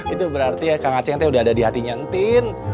itu berarti ya kang aceng itu udah ada di hatinya entin